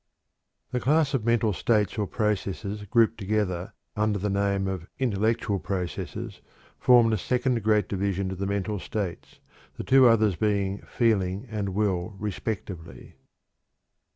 The class of mental states or processes grouped together under the name of "intellectual processes," forms the second great division of the mental states, the two others being "feeling" and "will," respectively.